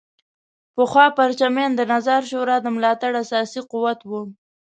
پخوا پرچمیان د نظار شورا د ملاتړ اساسي قوت وو.